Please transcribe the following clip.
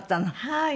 はい。